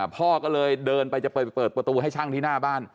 พ่อก็เลยเดินไปจะไปเปิดประตูให้ช่างที่หน้าบ้าน